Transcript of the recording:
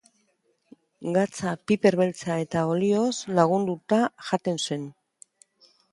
Gatza piper beltza eta olioz lagunduta jaten zen.